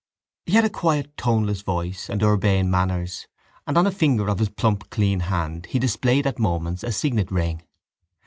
He had a quiet toneless voice and urbane manners and on a finger of his plump clean hand he displayed at moments a signet ring.